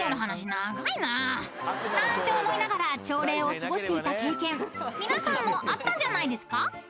［なんて思いながら朝礼を過ごしていた経験皆さんもあったんじゃないですか？］